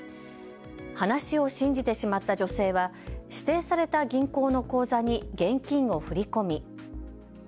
話を信じてしまった女性は指定された銀行の口座に現金を振り込み。